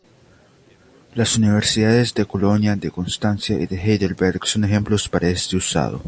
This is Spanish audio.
Las Universidades de Colonia, de Constancia y de Heidelberg son ejemplos para este usado.